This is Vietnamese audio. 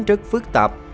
rất phức tạp